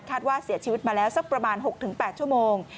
ว่าเสียชีวิตมาแล้วสักประมาณ๖๘ชั่วโมง